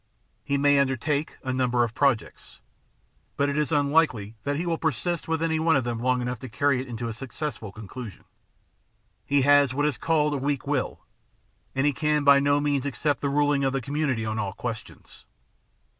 He may undertake a number of projects, but it is unlikely that he will persist with any one of them long enough to carry it to a successful conclusion. He has what is called a weak will, and he can by no means accept the ruling of the community on all questions.